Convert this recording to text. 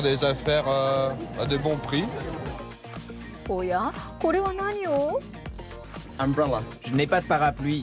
おや、これは何を。